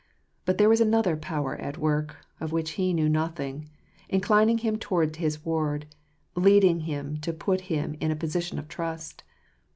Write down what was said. But there was another Power at work, of which he knew nothing, inclining him towards his ward, and leading him to put him in a position of trust.